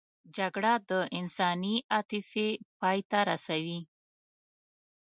جګړه د انساني عاطفې پای ته رسوي